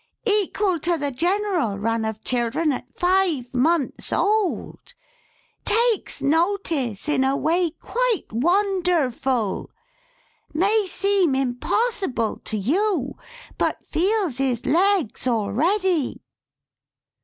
Equal to the general run of children at five months o old! Takes notice, in a way quite won der ful! May seem impossible to you, but feels his legs al ready!"